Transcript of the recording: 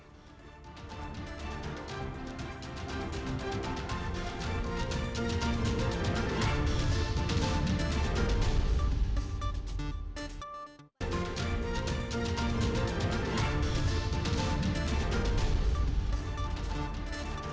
terimakasih terimakasih isinya